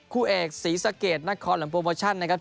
คู่เอกศรีสะเกดนครแหลมโปรโมชั่นนะครับ